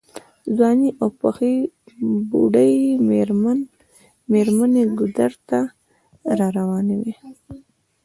ځوانې او پخې بوډۍ مېرمنې ګودر ته راروانې وې.